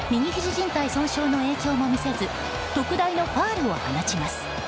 じん帯損傷の影響も見せず特大のファウルを放ちます。